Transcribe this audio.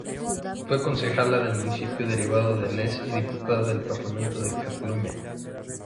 Fue concejala del municipio leridano de Les y diputada del Parlamento de Cataluña.